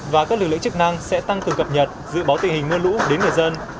và các lực lượng chức năng sẽ tăng cường cập nhật dự báo tình hình mưa lũ đến người dân